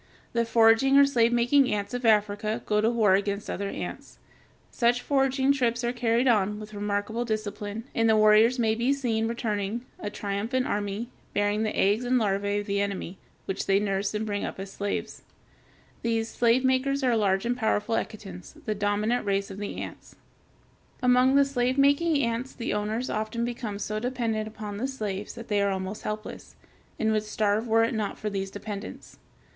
The foraging or slave making ants of Africa go to war against other ants. Such foraging trips are carried on with remarkable discipline, and the warriors may be seen returning, a triumphant army, bearing the eggs and larvæ of the enemy, which they nurse and bring up as slaves. These slave makers are large and powerful Ecitons, the dominant race of the ants. [Illustration: FIG. 247. Honey ants.] Among the slave making ants the owners often become so dependent upon the slaves that they are almost helpless, and would starve were it not for these dependents.